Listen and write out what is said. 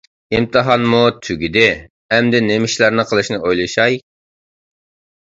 ئىمتىھانمۇ تۈگىدى، ئەمدى نېمە ئىشلارنى قىلىشنى ئويلىشاي.